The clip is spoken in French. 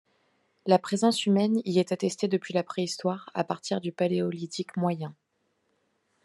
La présence humaine y est attestée depuis la Préhistoire, à partir du Paléolithique moyen.